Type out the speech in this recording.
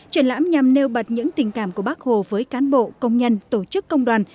triển lãm nhằm nêu bật những tình cảm của bác hồ với cán bộ công nhân tổ chức công đoàn